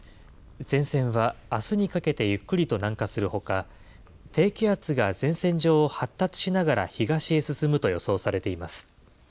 前線はあすにかけてゆっくりと南下するほか、低気圧が前線上を発達しながら東へ進むと予想されています。